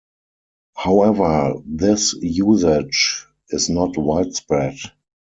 However, this usage is not widespread.